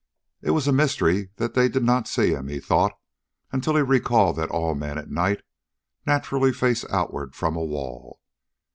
It was a mystery that they did not see him, he thought, until he recalled that all men, at night, naturally face outward from a wall.